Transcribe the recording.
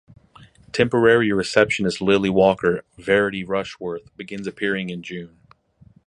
Temporary receptionist Lily Walker (Verity Rushworth) begins appearing in June.